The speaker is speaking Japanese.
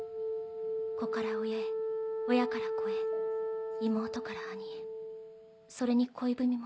子から親へ親から子へ妹から兄へそれに恋文も。